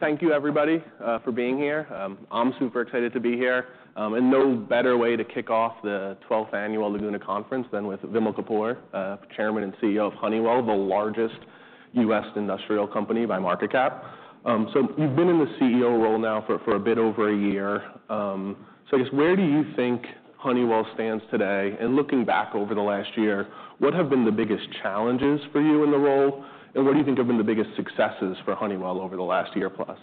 Well, thank you everybody for being here. I'm super excited to be here. And no better way to kick off the Twelfth Annual Laguna Conference than with Vimal Kapur, Chairman and CEO of Honeywell, the largest U.S. industrial company by market cap. So you've been in the CEO role now for a bit over a year. So I guess, where do you think Honeywell stands today? And looking back over the last year, what have been the biggest challenges for you in the role, and what do you think have been the biggest successes for Honeywell over the last year plus?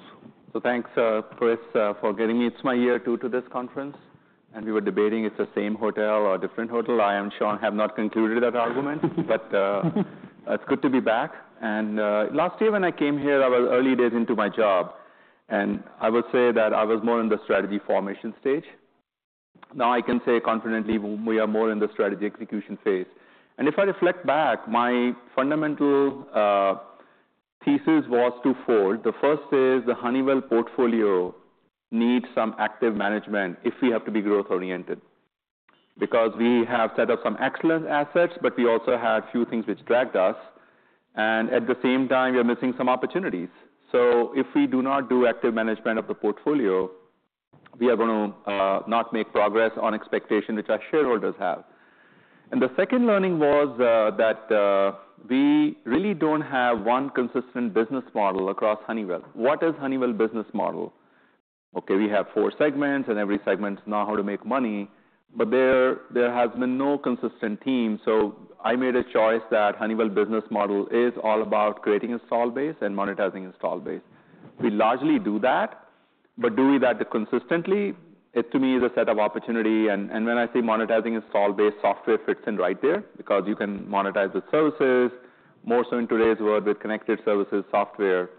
So thanks, Chris, for getting me. It's my year two to this conference, and we were debating it's the same hotel or a different hotel. I and Sean have not concluded that argument. But, it's good to be back. And, last year when I came here, I was early days into my job, and I would say that I was more in the strategy formation stage. Now, I can say confidently, we are more in the strategy execution phase. And if I reflect back, my fundamental thesis was two-fold. The first is, the Honeywell portfolio needs some active management if we have to be growth-oriented. Because we have set up some excellent assets, but we also had a few things which dragged us, and at the same time, we are missing some opportunities. So if we do not do active management of the portfolio, we are gonna not make progress on expectation, which our shareholders have. And the second learning was that we really don't have one consistent business model across Honeywell. What is Honeywell business model? Okay, we have four segments, and every segment know how to make money, but there has been no consistent team. So I made a choice that Honeywell business model is all about creating installed base and monetizing installed base. We largely do that, but do we do that consistently? It, to me, is a set of opportunity, and when I say monetizing installed base, software fits in right there, because you can monetize the services, more so in today's world, with connected services software.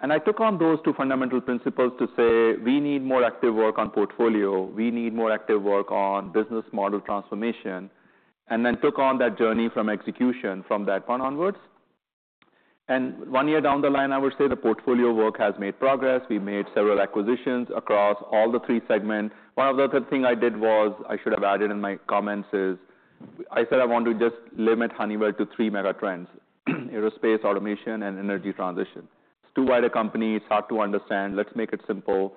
And I took on those two fundamental principles to say: We need more active work on portfolio, we need more active work on business model transformation, and then took on that journey from execution from that point onwards. And one year down the line, I would say the portfolio work has made progress. We've made several acquisitions across all the three segments. One of the other thing I did was, I should have added in my comments, is I said I want to just limit Honeywell to three mega trends: aerospace, automation, and energy transition. It's too wide a company, it's hard to understand, let's make it simple.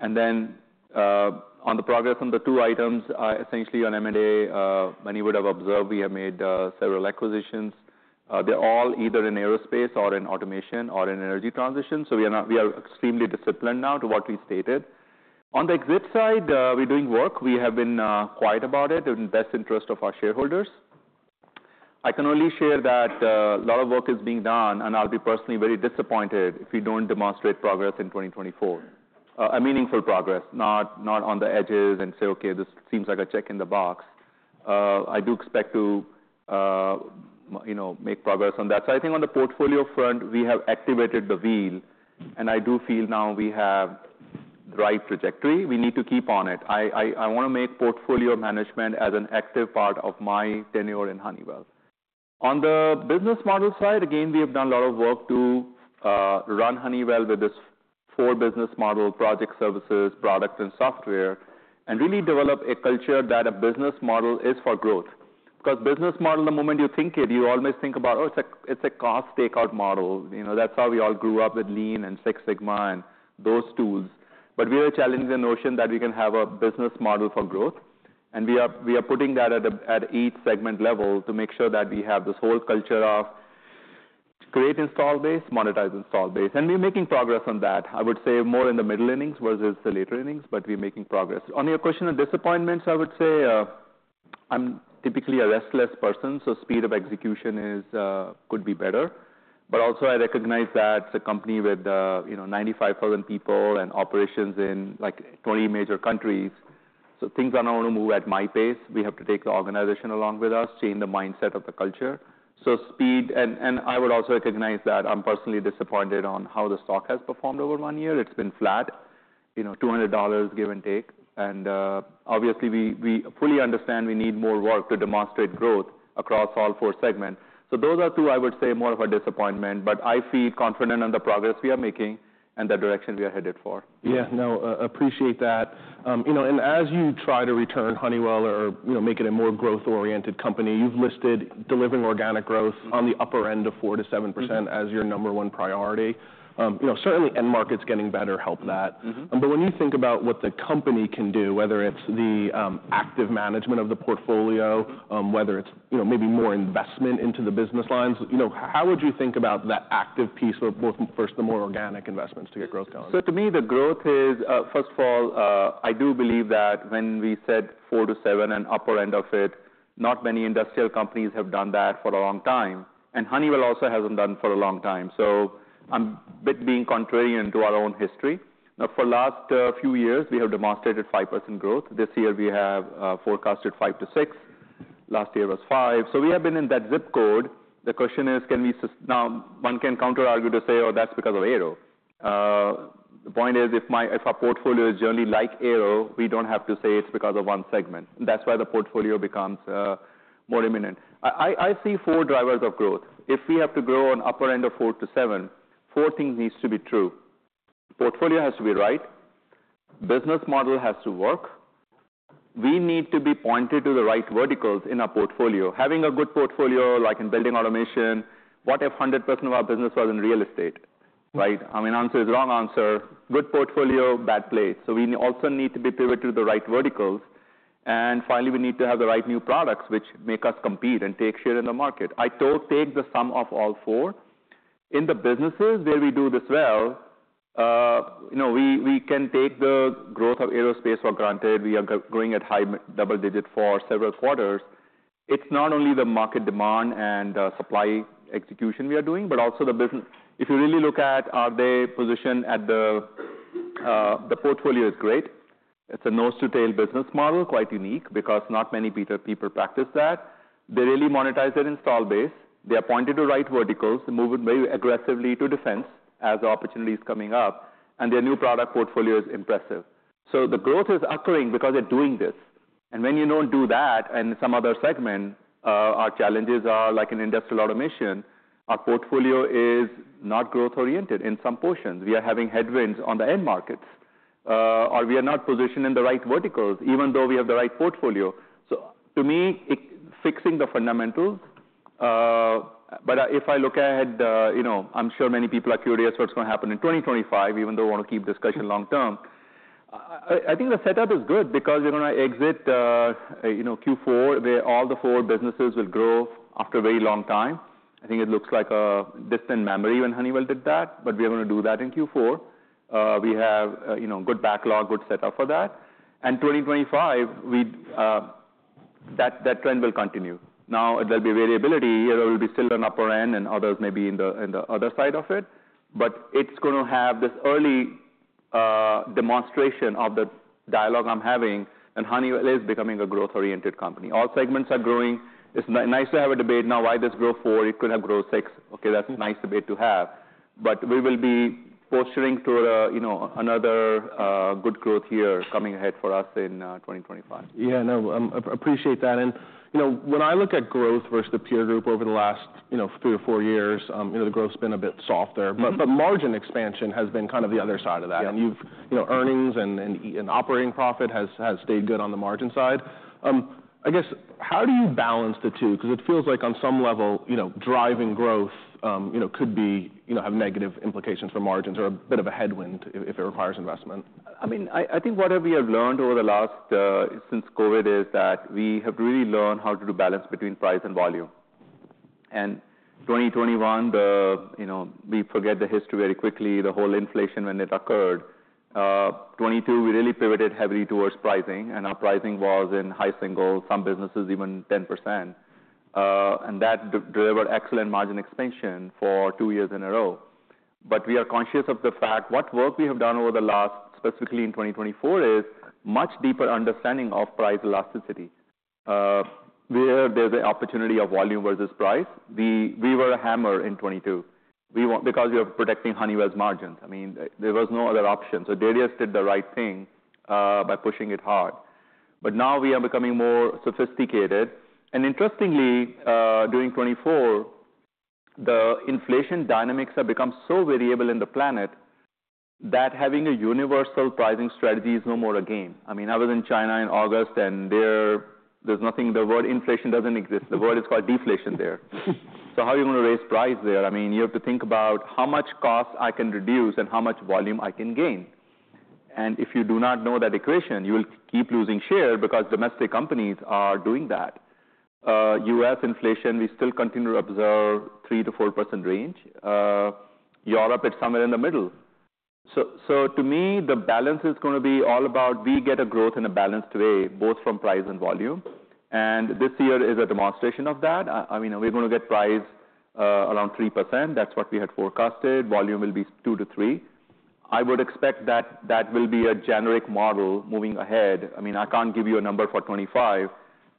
And then, on the progress on the two items, essentially on M&A, many would have observed, we have made, several acquisitions. They're all either in aerospace or in automation or in energy transition, so we are extremely disciplined now to what we stated. On the exit side, we're doing work. We have been quiet about it, in the best interest of our shareholders. I can only share that a lot of work is being done, and I'll be personally very disappointed if we don't demonstrate progress in 2024. A meaningful progress, not, not on the edges and say: Okay, this seems like a check in the box. I do expect to, you know, make progress on that. So I think on the portfolio front, we have activated the wheel, and I do feel now we have the right trajectory. We need to keep on it. I wanna make portfolio management as an active part of my tenure in Honeywell. On the business model side, again, we have done a lot of work to run Honeywell with this four business model: project services, and products, and software. And really develop a culture that a business model is for growth. Because business model, the moment you think it, you always think about, Oh, it's a, it's a cost takeout model. You know, that's how we all grew up with Lean and Six Sigma and those tools. But we are challenging the notion that we can have a business model for growth, and we are putting that at each segment level to make sure that we have this whole culture of create installed base, monetize installed base. And we're making progress on that. I would say more in the middle innings versus the later innings, but we're making progress. On your question on disappointments, I would say, I'm typically a restless person, so speed of execution is, could be better, but also, I recognize that it's a company with, you know, 95000 people and operations in, like, 20 major countries, so things are not gonna move at my pace. We have to take the organization along with us, change the mindset of the culture. So speed. And I would also recognize that I'm personally disappointed on how the stock has performed over one year. It's been flat, you know, $200, give and take, and obviously, we fully understand we need more work to demonstrate growth across all four segments. So those are two, I would say, more of a disappointment, but I feel confident on the progress we are making and the direction we are headed for. Yeah, no, appreciate that. You know, and as you try to return Honeywell or, you know, make it a more growth-oriented company, you've listed delivering organic growth on the upper end of 4-7% as your number one priority. You know, certainly, end market's getting better helps that. But when you think about what the company can do, whether it's the active management of the portfolio whether it's, you know, maybe more investment into the business lines, you know, how would you think about that active piece, or for, first, the more organic investments to get growth going? So to me, the growth is. First of all, I do believe that when we said 4-7% and upper end of it, not many industrial companies have done that for a long time, and Honeywell also hasn't done for a long time. So I'm a bit being contrarian to our own history. Now, for the last few years, we have demonstrated 5% growth. This year, we have forecasted 5-6%. Last year was 5%. So we have been in that zip code. The question is, can we sustain? Now, one can counterargue to say, Oh, that's because of Aero. The point is, if our portfolio is generally like Aero, we don't have to say it's because of one segment. That's why the portfolio becomes more important. I see four drivers of growth. If we have to grow on upper end of four to seven, four things needs to be true: Portfolio has to be right, business model has to work.... We need to be pointed to the right verticals in our portfolio. Having a good portfolio, like in building automation, what if 100% of our business was in real estate, right? I mean, answer is wrong answer. Good portfolio, bad place. So we also need to be pivoted to the right verticals. And finally, we need to have the right new products, which make us compete and take share in the market. I told take the sum of all four. In the businesses where we do this well, you know, we can take the growth of aerospace for granted. We are growing at high double digit for several quarters. It's not only the market demand and supply execution we are doing, but also the business. If you really look at our end position at the portfolio is great. It's a nose-to-tail business model, quite unique, because not many people practice that. They really monetize their installed base, they are pointed to right verticals, they move it very aggressively to defense as the opportunity is coming up, and their new product portfolio is impressive. So the growth is occurring because they're doing this, and when you don't do that, in some other segment, our challenges are, like in industrial automation, our portfolio is not growth-oriented in some portions. We are having headwinds on the end markets, or we are not positioned in the right verticals, even though we have the right portfolio. So to me, fixing the fundamentals, but if I look ahead, you know, I'm sure many people are curious what's gonna happen in 2025, even though we want to keep discussion long term. I think the setup is good because when I exit, you know, Q4, where all the four businesses will grow after a very long time. I think it looks like a distant memory when Honeywell did that, but we are going to do that in Q4. We have, you know, good backlog, good setup for that. And 2025, we'd. That trend will continue. Now, there'll be variability. There will be still an upper end and others may be in the other side of it, but it's gonna have this early demonstration of the dialogue I'm having, and Honeywell is becoming a growth-oriented company. All segments are growing. It's nice to have a debate now why this grow four, it could have grow six. Okay, that's a nice debate to have, but we will be posturing to the, you know, another good growth year coming ahead for us in 2025. Yeah, no, appreciate that, and you know, when I look at growth versus the peer group over the last, you know, three or four years, you know, the growth's been a bit softer. But margin expansion has been kind of the other side of that. And you've. You know, earnings and operating profit has stayed good on the margin side. I guess, how do you balance the two? Because it feels like on some level, you know, driving growth, you know, could be, you know, have negative implications for margins or a bit of a headwind if it requires investment. I mean, I think what we have learned over the last since COVID is that we have really learned how to do balance between price and volume. And 2021, you know, we forget the history very quickly, the whole inflation when it occurred. 2022, we really pivoted heavily towards pricing, and our pricing was in high single, some businesses even 10%, and that delivered excellent margin expansion for two years in a row. But we are conscious of the fact what work we have done over the last, specifically in 2024, is much deeper understanding of price elasticity. Where there's an opportunity of volume versus price, we were a hammer in 2022. We want, because we are protecting Honeywell's margins. I mean, there was no other option. So Darius did the right thing by pushing it hard. But now we are becoming more sophisticated. And interestingly, during 2024, the inflation dynamics have become so variable in the planet, that having a universal pricing strategy is no more a game. I mean, other than China in August, and there, there's nothing, the word inflation doesn't exist. The word is called deflation there. So how are you gonna raise price there? I mean, you have to think about how much cost I can reduce and how much volume I can gain. And if you do not know that equation, you will keep losing share because domestic companies are doing that. U.S. inflation, we still continue to observe 3-4% range. Europe, it's somewhere in the middle. So to me, the balance is gonna be all about, we get a growth and a balance today, both from price and volume. This year is a demonstration of that. I mean, we're gonna get price around 3%. That's what we had forecasted. Volume will be 2% to 3%. I would expect that that will be a generic model moving ahead. I mean, I can't give you a number for 2025,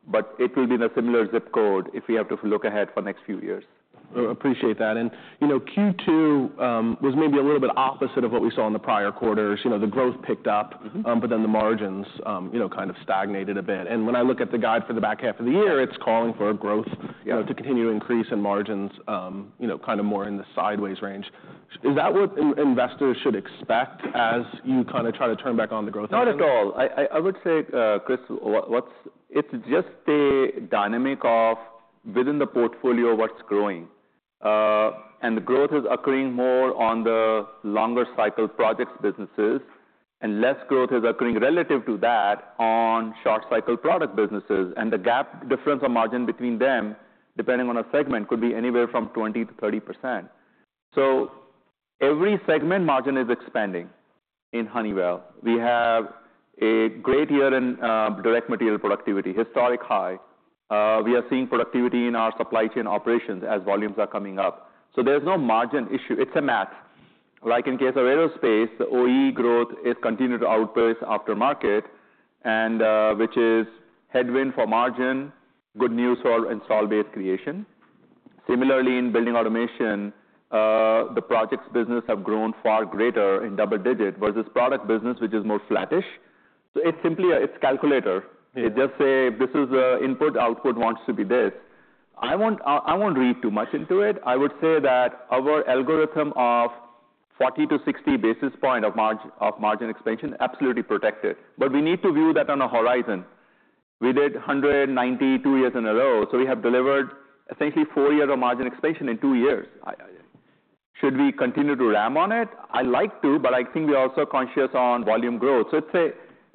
but it will be in a similar zip code if we have to look ahead for next few years. Appreciate that. And, you know, Q2 was maybe a little bit opposite of what we saw in the prior quarters. You know, the growth picked up but then the margins, you know, kind of stagnated a bit. And when I look at the guide for the back half of the year, it's calling for a growth, you know, to continue to increase, and margins, you know, kind of more in the sideways range. Is that what investors should expect as you kind of try to turn back on the growth? Not at all. I would say, Chris, what's—it's just a dynamic of within the portfolio, what's growing. And the growth is occurring more on the longer cycle projects businesses, and less growth is occurring relative to that on short cycle product businesses. And the gap difference of margin between them, depending on a segment, could be anywhere from 20%-30%. So every segment margin is expanding in Honeywell. We have a great year in direct material productivity, historic high. We are seeing productivity in our supply chain operations as volumes are coming up. So there's no margin issue. It's a math. Like in CAES of aerospace, the OE growth is continued to outpace aftermarket, and which is headwind for margin, good news for installed base creation. Similarly, in building automation, the projects business have grown far greater in double digit, versus product business, which is more flattish. So it's simply a calculator. It just says, this is the input, output wants to be this. I won't read too much into it. I would say that our algorithm of 40-60 basis points of margin, of margin expansion absolutely protected, but we need to view that on a horizon. We did 192 basis points in a row, so we have delivered essentially four years of margin expansion in two years. Should we continue to ram on it? I'd like to, but I think we are also conscious on volume growth. So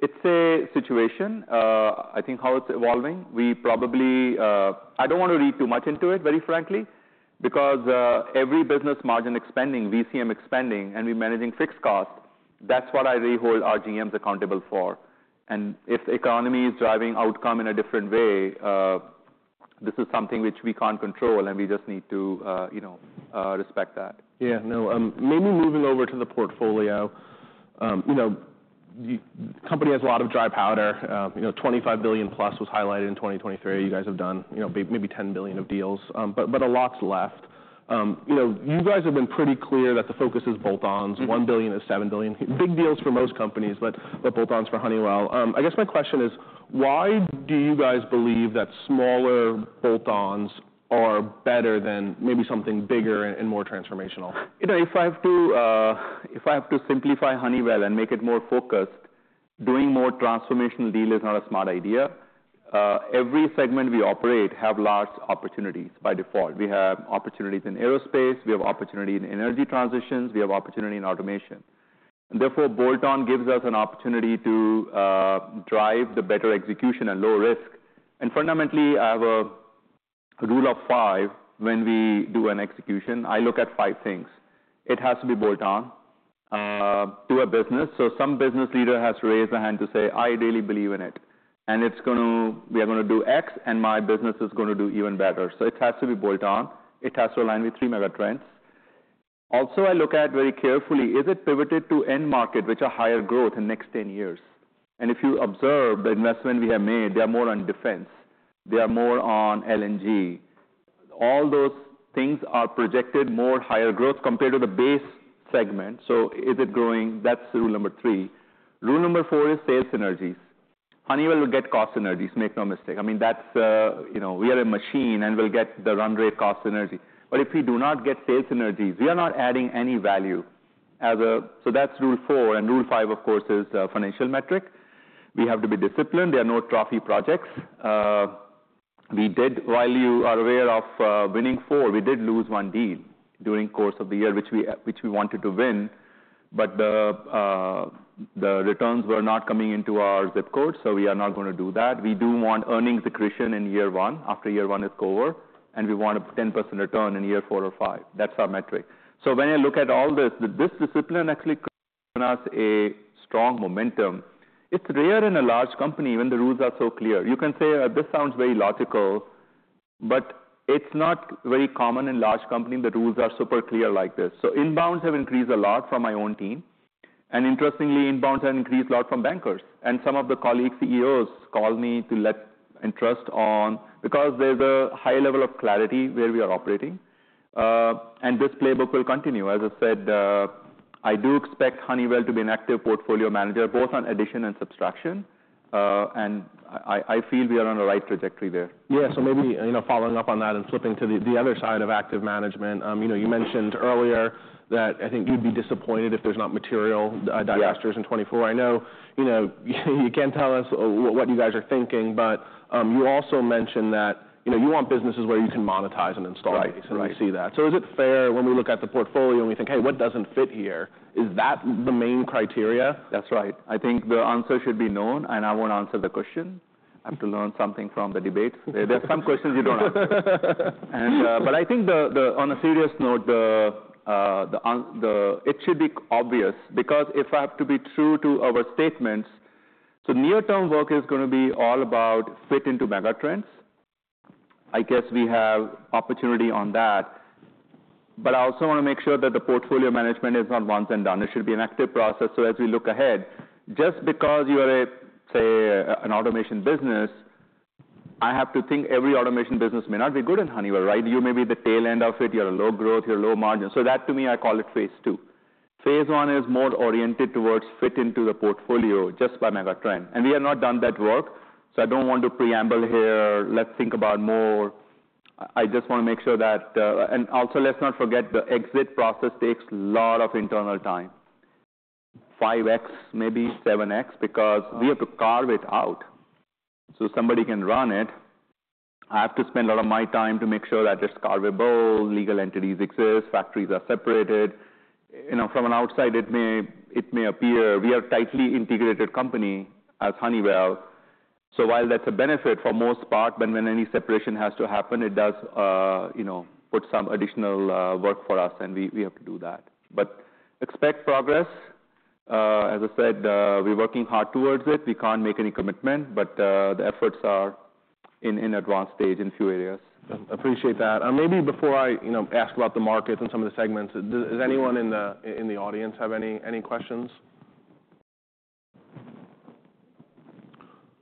it's a situation, I think how it's evolving. We probably... I don't want to read too much into it, very frankly, because every business margin expanding, VCM expanding, and we're managing fixed costs, that's what I really hold our GMs accountable for. And if the economy is driving outcome in a different way, this is something which we can't control, and we just need to, you know, respect that. Yeah. No, maybe moving over to the portfolio. You know, the company has a lot of dry powder. You know, $25 billion plus was highlighted in 2023. You guys have done, you know, maybe $10 billion of deals, but a lot's left. You know, you guys have been pretty clear that the focus is bolt-ons 1 billion is 7 billion. Big deals for most companies, but bolt-ons for Honeywell. I guess my question is, why do you guys believe that smaller bolt-ons are better than maybe something bigger and more transformational? You know, if I have to simplify Honeywell and make it more focused, doing more transformational deal is not a smart idea. Every segment we operate have large opportunities by default. We have opportunities in aerospace, we have opportunity in energy transitions, we have opportunity in automation. Therefore, bolt-on gives us an opportunity to drive the better execution at lower risk. And fundamentally, I have a rule of five when we do an execution. I look at five things. It has to be bolt-on to a business. So some business leader has to raise their hand to say, "I really believe in it, and it's going to, we are gonna do X, and my business is gonna do even better." So it has to be bolt-on. It has to align with three mega trends. Also, I look at very carefully: is it pivoted to end market, which are higher growth in the next ten years, and if you observe the investment we have made, they are more on defense, they are more on LNG. All those things are projected more higher growth compared to the base segment, so is it growing? That's rule number three. Rule number four is sales synergies. Honeywell will get cost synergies, make no mistake. I mean, that's, you know, we are a machine, and we'll get the run rate cost synergy, but if we do not get sales synergies, we are not adding any value as a..., so that's rule four, and rule five, of course, is a financial metric. We have to be disciplined. There are no trophy projects. We did, while you are aware of, winning four, we did lose one deal during the course of the year, which we wanted to win, but the returns were not coming into our ZIP code, so we are not gonna do that. We do want earnings accretion in year one, after year one is over, and we want a 10% return in year four or five. That's our metric. So when I look at all this, this discipline actually gives us a strong momentum. It's rare in a large company when the rules are so clear. You can say, this sounds very logical, but it's not very common in large company, the rules are super clear like this. So inbounds have increased a lot from my own team, and interestingly, inbounds have increased a lot from bankers. Some of the colleague CEOs called me to express interest in, because there's a high level of clarity where we are operating, and this playbook will continue. As I said, I do expect Honeywell to be an active portfolio manager, both on addition and subtraction. I feel we are on the right trajectory there. Yeah. So maybe, you know, following up on that and flipping to the other side of active management. You know, you mentioned earlier that I think you'd be disappointed if there's not material Divestitures in 2024. I know, you know, you can't tell us what you guys are thinking, but you also mentioned that, you know, you want businesses where you can monetize an installed base. And we see that. So is it fair when we look at the portfolio and we think, "Hey, what doesn't fit here?" Is that the main criteria? That's right. I think the answer should be known, and I won't answer the question. I have to learn something from the debate. There are some questions you don't answer. And, but I think on a serious note. It should be obvious, because if I have to be true to our statements, so near-term work is gonna be all about fit into mega trends. I guess we have opportunity on that. But I also want to make sure that the portfolio management is not once and done. It should be an active process. So as we look ahead, just because you are a, say, an automation business, I have to think every automation business may not be good in Honeywell, right? You may be the tail end of it, you are low growth, you are low margin. So that, to me, I call it phase two. Phase one is more oriented towards fit into the portfolio just by mega trend. And we have not done that work, so I don't want to preamble here. Let's think about more. I just want to make sure that. And also, let's not forget, the exit process takes a lot of internal time. 5x, maybe 7x, because we have to carve it out so somebody can run it. I have to spend a lot of my time to make sure that it's carvable, legal entities exist, factories are separated. You know, from the outside, it may appear we are a tightly integrated company as Honeywell. So while that's a benefit for most part, when any separation has to happen, it does, you know, put some additional work for us, and we have to do that. But expect progress. As I said, we're working hard towards it. We can't make any commitment, but the efforts are in advanced stage in a few areas. Appreciate that. And maybe before I, you know, ask about the markets and some of the segments, does anyone in the audience have any questions?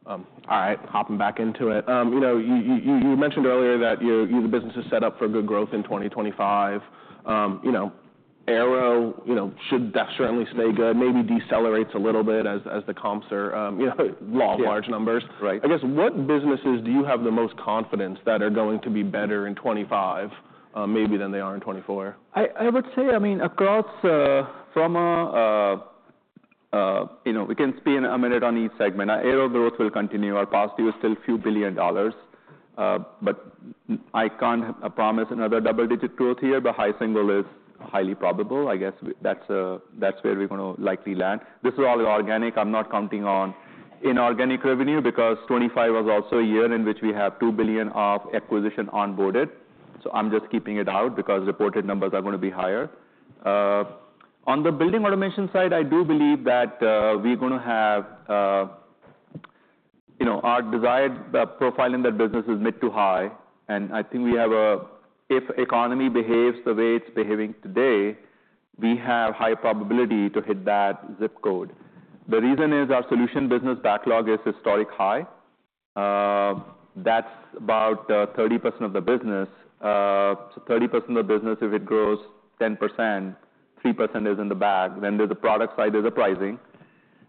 All right, hopping back into it. You know, you mentioned earlier that the business is set up for good growth in 2025. You know, Aero should definitely stay good, maybe decelerates a little bit as the comps are, you know, law of large numbers. I guess, what businesses do you have the most confidence that are going to be better in 2025, maybe than they are in 2024? I would say, I mean, across, from a, you know, we can spend a minute on each segment. Our Aero growth will continue. Our past year was still a few billion dollars. But I can't promise another double-digit growth here, but high single is highly probable. I guess that's, that's where we're gonna likely land. This is all organic. I'm not counting on inorganic revenue, because 2025 was also a year in which we have $2 billion of acquisition onboarded. So I'm just keeping it out, because reported numbers are gonna be higher. On the building automation side, I do believe that we're gonna have, you know, our desired profile in that business is mid to high, and I think we have a-- If the economy behaves the way it's behaving today, we have high probability to hit that ZIP code. The reason is, our solution business backlog is historic high. That's about 30% of the business. So 30% of the business, if it grows 10%, 3% is in the bag. Then there's the product side of the pricing.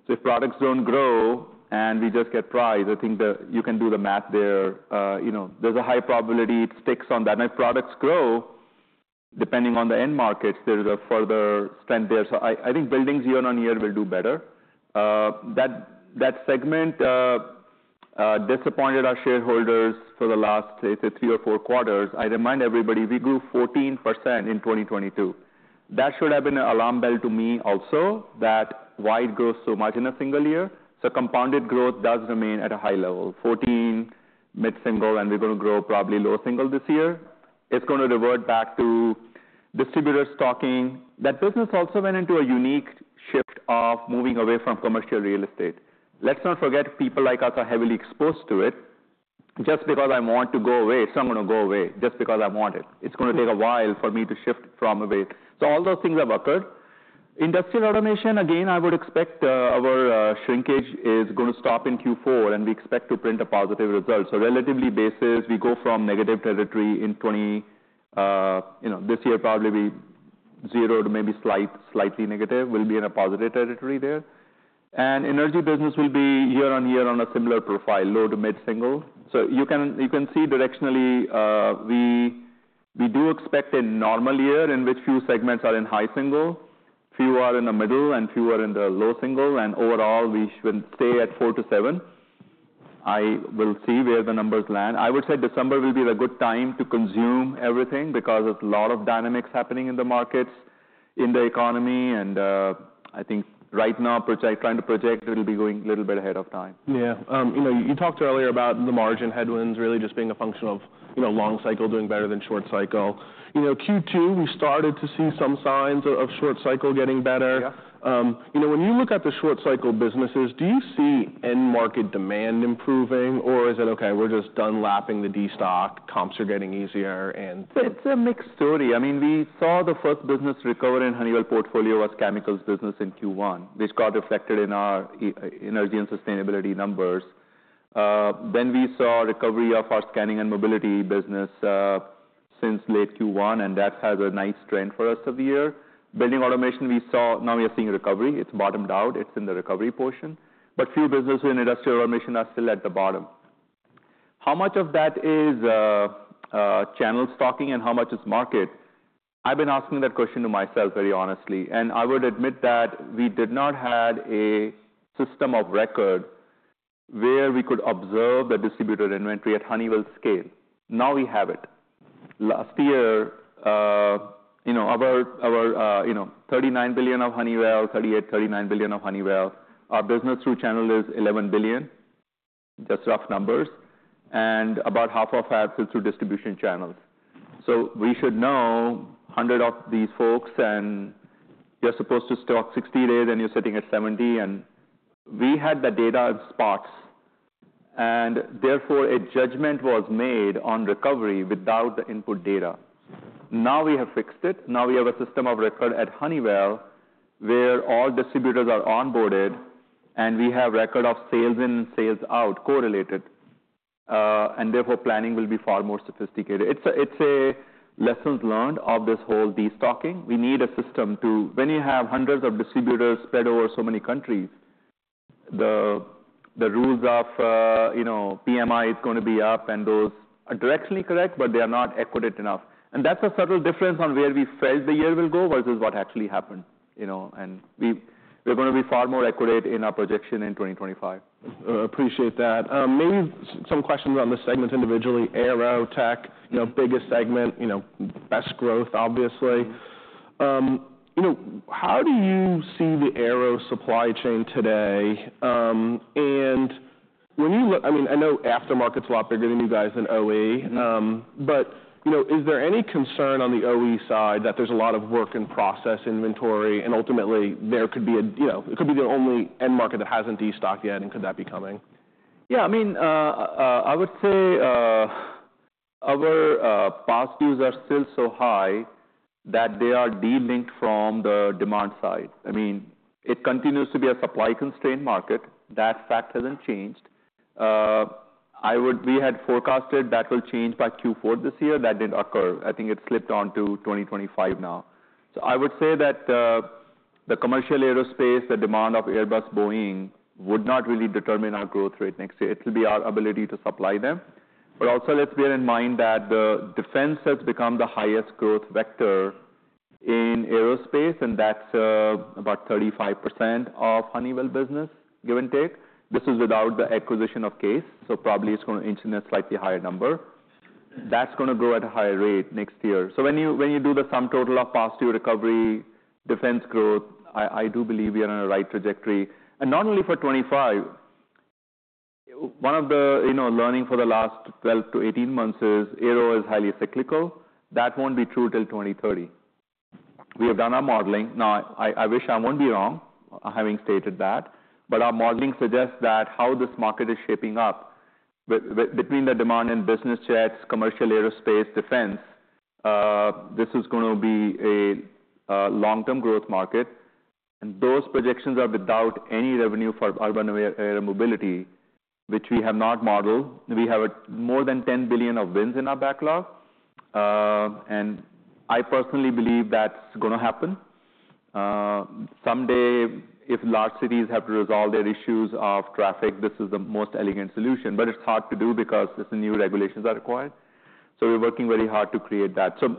So if products don't grow and we just get price, I think that you can do the math there. You know, there's a high probability it sticks on that. And if products grow, depending on the end markets, there is a further spend there. So I think buildings year on year will do better. That segment disappointed our shareholders for the last, say, three or four quarters. I remind everybody, we grew 14% in 2022. That should have been an alarm bell to me also, that why it grows so much in a single year? Compounded growth does remain at a high level, 14 mid-single, and we're gonna grow probably low single this year. It's gonna revert back to distributor stocking. That business also went into a unique shift of moving away from commercial real estate. Let's not forget, people like us are heavily exposed to it. Just because I want to go away, it's not gonna go away, just because I want it. It's gonna take a while for me to shift from away. So all those things have occurred. Industrial automation, again, I would expect, our shrinkage is gonna stop in Q4, and we expect to print a positive result. So relatively basis, we go from negative territory in 2020, you know, this year probably be zero to maybe slightly negative. We'll be in a positive territory there. And energy business will be year on year on a similar profile, low to mid-single. So you can see directionally, we do expect a normal year, in which few segments are in high single, few are in the middle, and few are in the low single, and overall, we should stay at four to seven. I will see where the numbers land. I would say December will be the good time to consume everything, because there's a lot of dynamics happening in the markets, in the economy, and I think right now, trying to project it'll be going a little bit ahead of time. Yeah. You know, you talked earlier about the margin headwinds really just being a function of, you know, long cycle doing better than short cycle. You know, Q2, we started to see some signs of short cycle getting better. You know, when you look at the short cycle businesses, do you see end market demand improving, or is it, "Okay, we're just done lapping the destock, comps are getting easier, and-"? It's a mixed story. I mean, we saw the first business recover in Honeywell portfolio was chemicals business in Q1, which got reflected in our energy and sustainability numbers. Then we saw recovery of our scanning and mobility business since late Q1, and that has a nice trend for rest of the year. Building automation, we saw... Now we are seeing recovery. It's bottomed out. It's in the recovery portion, but few businesses in industrial automation are still at the bottom. How much of that is channel destocking and how much is market? I've been asking that question to myself very honestly, and I would admit that we did not have a system of record where we could observe the distributor inventory at Honeywell scale. Now we have it. Last year, you know, our $39 billion of Honeywell, $38, $39 billion of Honeywell, our business through channels is $11 billion. That's rough numbers. And about half of that is through distribution channels. So we should know a hundred of these folks, and you're supposed to stock 60 days, and you're sitting at 70, and we had the data in spots, and therefore, a judgment was made on recovery without the input data. Now we have fixed it. Now we have a system of record at Honeywell, where all distributors are onboarded, and we have record of sales in and sales out correlated, and therefore, planning will be far more sophisticated. It's a lessons learned of this whole destocking. When you have hundreds of distributors spread over so many countries, the rules of, you know, PMI is gonna be up, and those are directionally correct, but they are not accurate enough. That's a subtle difference on where we felt the year will go, versus what actually happened, you know, and we're gonna be far more accurate in our projection in 2025. Appreciate that. Maybe some questions on the segments individually. Aero Tech, you know, biggest segment, you know, best growth, obviously. You know, how do you see the Aero supply chain today? And when you look... I mean, I know aftermarket's a lot bigger than you guys in OE. But, you know, is there any concern on the OE side that there's a lot of work in process inventory, and ultimately, there could be, you know, it could be the only end market that hasn't destocked yet, and could that be coming? Yeah, I mean, I would say our past dues are still so high that they are delinked from the demand side. I mean, it continues to be a supply-constrained market. That fact hasn't changed. We had forecasted that will change by Q4 this year. That didn't occur. I think it slipped on to 2025 now. So I would say that the commercial aerospace, the demand of Airbus, Boeing, would not really determine our growth rate next year. It will be our ability to supply them. But also, let's bear in mind that defense has become the highest growth vector in aerospace, and that's about 35% of Honeywell business, give and take. This is without the acquisition of Case, so probably it's gonna inch in a slightly higher number. That's gonna grow at a higher rate next year. So when you do the sum total of past year recovery, defense growth, I do believe we are on the right trajectory, and not only for 2025. One of the, you know, learning for the last 12 to 18 months is, aero is highly cyclical. That won't be true till 2030. We have done our modeling. Now, I wish I won't be wrong, having stated that, but our modeling suggests that how this market is shaping up, between the demand in business jets, commercial aerospace, defense, this is gonna be a long-term growth market, and those projections are without any revenue for urban air mobility, which we have not modeled. We have more than $10 billion of wins in our backlog, and I personally believe that's gonna happen. Someday, if large cities have to resolve their issues of traffic, this is the most elegant solution, but it's hard to do because it's the new regulations are required, so we're working very hard to create that. So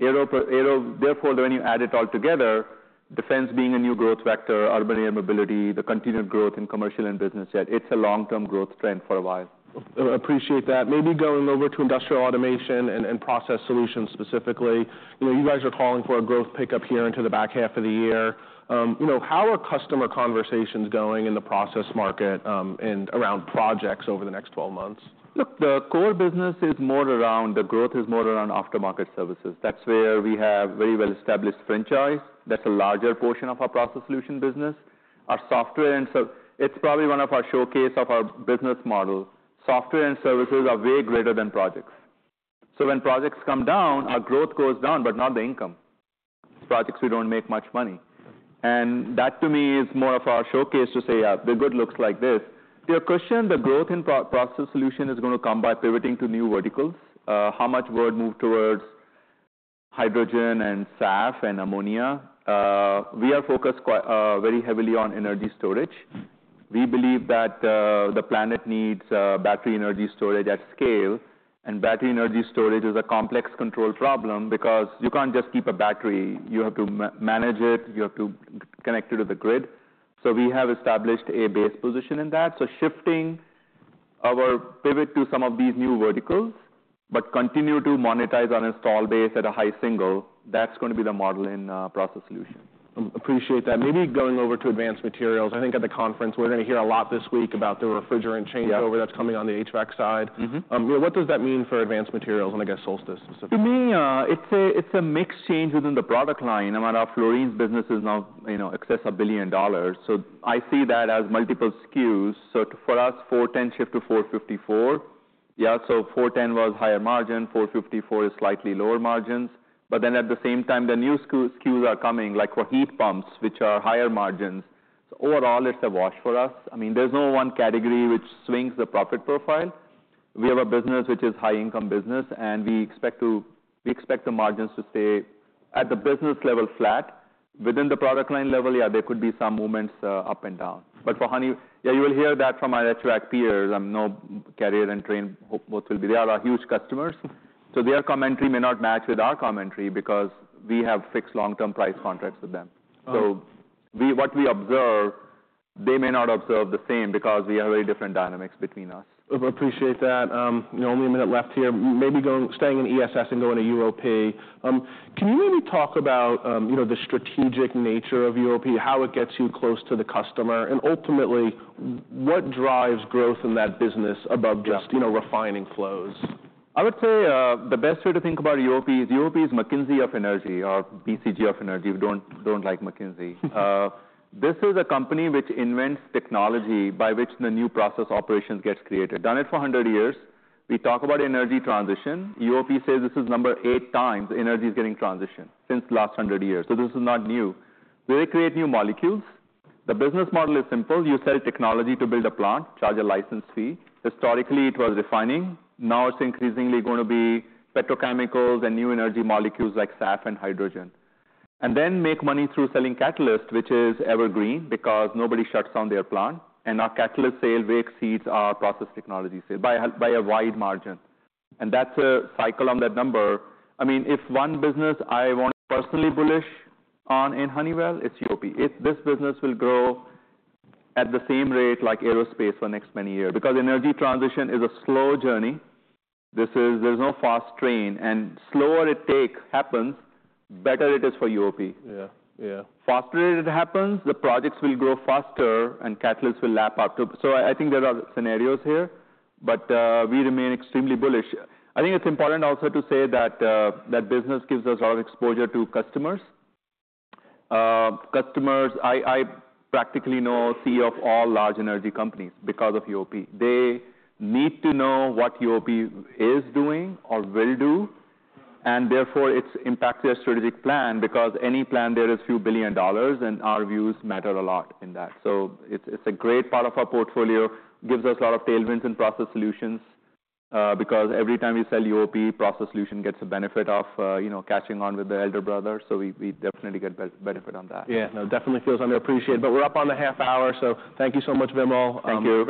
aero, therefore, when you add it all together, defense being a new growth vector, urban air mobility, the continued growth in commercial and business jet, it's a long-term growth trend for a while. Appreciate that. Maybe going over to industrial automation and process solutions, specifically. You know, you guys are calling for a growth pickup here into the back half of the year. You know, how are customer conversations going in the process market, and around projects over the next twelve months? Look, the core business is more around... the growth is more around aftermarket services. That's where we have very well-established franchise. That's a larger portion of our process solution business. Our software, it's probably one of our showcase of our business model. Software and services are way greater than projects. So when projects come down, our growth goes down, but not the income. Projects, we don't make much money, and that, to me, is more of our showcase to say, "Yeah, the good looks like this." To your question, the growth in process solution is gonna come by pivoting to new verticals. How much we're moved towards hydrogen and SAF and ammonia. We are focused very heavily on energy storage. We believe that the planet needs battery energy storage at scale, and battery energy storage is a complex control problem because you can't just keep a battery. You have to manage it, you have to connect it to the grid. So we have established a base position in that. So shifting our pivot to some of these new verticals, but continue to monetize our installed base at a high single, that's gonna be the model in process solution. Appreciate that. Maybe going over to advanced materials. I think at the conference, we're gonna hear a lot this week about the refrigerant changeover that's coming on the HVAC side. What does that mean for advanced materials and, I guess, Solstice, specifically? To me, it's a mixed change within the product line. I mean, our fluorines business is now, you know, excess of $1 billion, so I see that as multiple SKUs. So for us, 410 shift to 454. Yeah, so 410 was higher margin, four fifty-four is slightly lower margins, but then, at the same time, the new SKUs are coming, like for heat pumps, which are higher margins. So overall, it's a wash for us. I mean, there's no one category which swings the profit profile. We have a business which is high income business, and we expect the margins to stay at the business level flat. Within the product line level, yeah, there could be some movements up and down. But for Honeywell, yeah, you will hear that from our HVAC peers, no Carrier and Trane, both will be... They are our huge customers, so their commentary may not match with our commentary because we have fixed long-term price contracts with them. So we, what we observe, they may not observe the same because we have very different dynamics between us. Appreciate that. You know, only a minute left here. Maybe going, staying in ESS and going to UOP. Can you maybe talk about, you know, the strategic nature of UOP, how it gets you close to the customer, and ultimately, what drives growth in that business above just, you know, refining flows? I would say, the best way to think about UOP is, UOP is McKinsey of energy, or BCG of energy, if you don't like McKinsey. This is a company which invents technology by which the new process operations gets created. Done it for a hundred years. We talk about energy transition. UOP says this is number eight times energy is getting transitioned since the last hundred years, so this is not new. We create new molecules. The business model is simple: You sell technology to build a plant, charge a license fee. Historically, it was refining. Now, it's increasingly gonna be petrochemicals and new energy molecules like SAF and hydrogen. And then make money through selling catalyst, which is evergreen, because nobody shuts down their plant, and our catalyst sale way exceeds our process technology sale, by a wide margin, and that's a cycle on that number. I mean, if one business I want personally bullish on in Honeywell, it's UOP. This business will grow at the same rate like aerospace for the next many years, because energy transition is a slow journey. This is. There's no fast train, and the slower it takes to happen, the better it is for UOP. Faster it happens, the projects will grow faster and catalysts will lap up to. So I think there are scenarios here, but we remain extremely bullish. I think it's important also to say that that business gives us a lot of exposure to customers. Customers, I practically know CEO of all large energy companies because of UOP. They need to know what UOP is doing or will do, and therefore, it impacts their strategic plan, because any plan there is a few billion dollars, and our views matter a lot in that. So it's a great part of our portfolio, gives us a lot of tailwinds and process solutions, because every time we sell UOP, process solution gets the benefit of you know, catching on with the elder brother, so we definitely get benefit on that. Yeah. No, definitely feels underappreciated, but we're up on the half hour, so thank you so much, Vimal. Thank you.